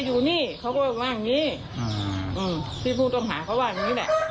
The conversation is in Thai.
ลุงเขาว่าอย่างนี้